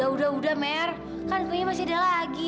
udah udah mer kan kuenya masih ada lagi